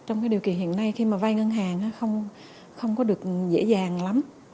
trong cái điều kỳ hiện nay khi mà vai ngân hàng không có được dễ dàng lắm